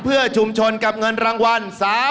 เพื่อชุมชนกลับเงินรางวัล๓๐๐๐๐